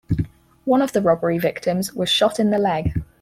One of the robbery victims was shot in the leg.